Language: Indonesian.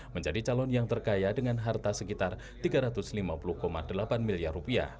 menjadi calon yang terkaya dengan harta sekitar rp tiga ratus lima puluh delapan miliar